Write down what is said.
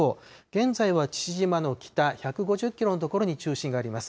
現在は父島の北１５０キロの所に中心があります。